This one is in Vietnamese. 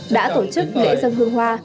đã tổ chức lễ dân hương hoa